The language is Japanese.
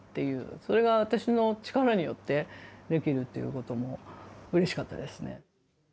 それが私の力によってできるということもうれしかったですね。